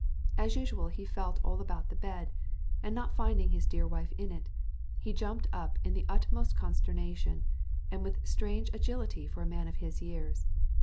As usual he felt all about the bed, and not finding his dear wife in it, he jumped up in the utmost consternation, and with strange agility for a man of his years.